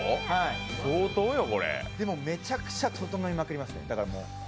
でもめちゃくちゃ、ととのいまくりますね、もう。